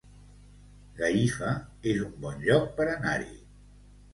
Gallifa es un bon lloc per anar-hi